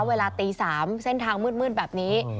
เวลาตี๓เส้นทางมืดแบบนี้